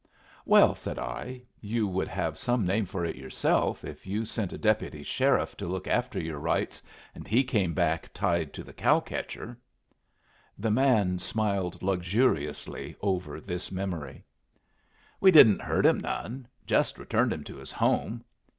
"Well," said I, "you would have some name for it yourself if you sent a deputy sheriff to look after your rights, and he came back tied to the cow catcher!" The man smiled luxuriously over this memory. "We didn't hurt him none. Just returned him to his home.